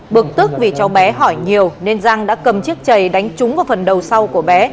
bực tức vì cháu bé hỏi nhiều nên giang đã cầm chiếc chầy đánh trúng vào phần đầu sau của bé